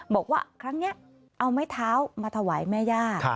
บอกว่าครั้งนี้เอาไม้เท้ามาถวายแม่ย่า